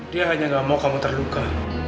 dia hanya gak mau kamu terduga